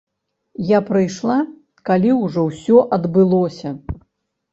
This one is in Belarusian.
Я прыйшла, калі ўжо ўсё адбылося.